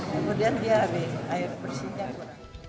kemudian dia air bersihnya kurang